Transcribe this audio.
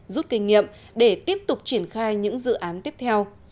rút kinh nghiệm để tiếp tục triển khai những dự án tiếp theo